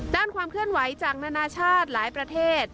ด้านความเคลื่อนไหวจากนานาชาติหลายประเทศ